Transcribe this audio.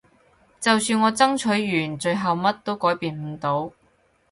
就算我爭取完最後乜都改變唔到